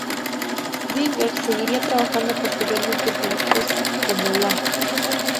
Dinger seguiría trabajando posteriormente en proyectos como La!